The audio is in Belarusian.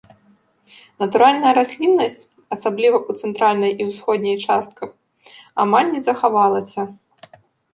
Натуральная расліннасць, асабліва ў цэнтральнай і ўсходняй частках, амаль не захавалася.